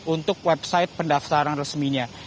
untuk website pendaftaran resminya